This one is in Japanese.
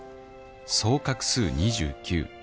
総画数２９あっ